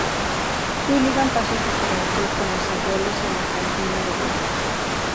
Sullivan pasó su juventud con los abuelos en la campiña de Boston.